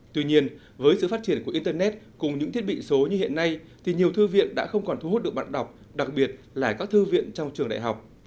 tuy nhiên với sự phát triển của internet cùng những thiết bị số như hiện nay thì nhiều thư viện đã không còn thu hút được bạn đọc đặc biệt là các thư viện trong trường đại học